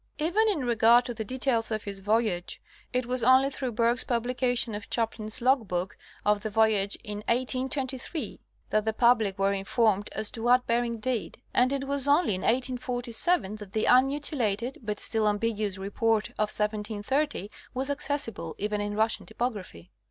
Even in regard to the details of his voyage it was only through Bergh's publication of Chaplin's logbook of the voyage in 1823, that the public were informed as to what Bering did, and it was only in 1847 that the unmutilated, but still ambiguous Report of 1730 was accessible even in Russian typography.